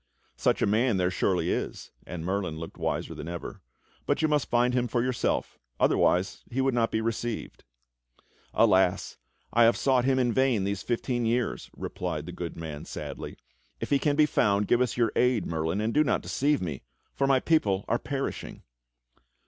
"Such. a man there surely is," and Merlin looked wiser than ever, "but you must find him for yourself, otherwise he would not be received." "Alas! I have sought him in vain these fifteen years," replied the good man sadly. "If he can be found, give us your aid. Merlin, and do not deceive me, for my people are perishing."